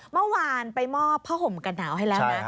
เมื่อวานไปมอบผ้าห่มกันหนาวให้แล้วนะ